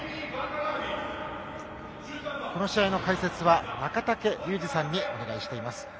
この試合の解説は中竹竜二さんにお願いしています。